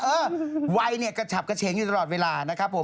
เออวัยเนี่ยกระฉับกระเฉงอยู่ตลอดเวลานะครับผม